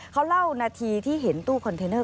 เขาเล่านาทีที่เห็นตู้คอนเทนเนอร์